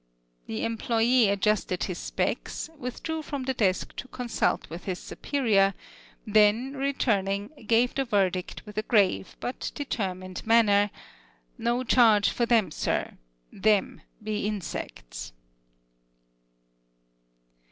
The employé adjusted his specs, withdrew from the desk to consult with his superior; then returning, gave the verdict with a grave but determined manner, "No charge for them, sir: them be insects."